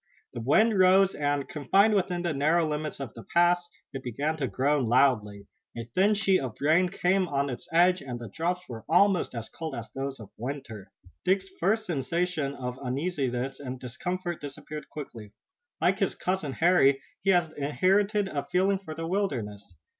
The wind rose, and, confined within the narrow limits of the pass, it began to groan loudly. A thin sheet of rain came on its edge, and the drops were almost as cold as those of winter. Dick's first sensation of uneasiness and discomfort disappeared quickly. Like his cousin, Harry, he had inherited a feeling for the wilderness.